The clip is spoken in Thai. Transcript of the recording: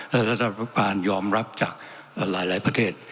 และท่านสำคัญยอมรับจากหลายประเทศ